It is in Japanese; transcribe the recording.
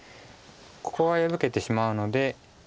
ここが破けてしまうので。